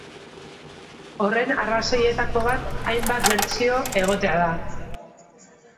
Horren arrazoietako bat hainbat bertsio egotea da.